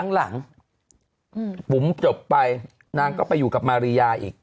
หลังบุ๋มจบไปนางก็ไปอยู่กับมาริยาอีก